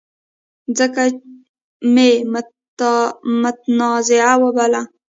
ځکه مې متنازعه وباله.